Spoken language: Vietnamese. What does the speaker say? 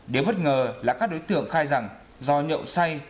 điều bất ngờ là các đối tượng khai rằng do nhậu say